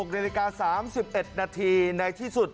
นาฬิกา๓๑นาทีในที่สุด